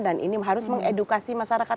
dan ini harus mengedukasi masyarakat